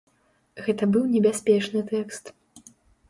Гэта быў небяспечны тэкст.